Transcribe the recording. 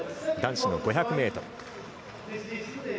男子の５００ｍ。